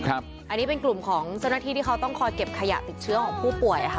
อันนี้เป็นกลุ่มของเจ้าหน้าที่ที่เขาต้องคอยเก็บขยะติดเชื้อของผู้ป่วยค่ะ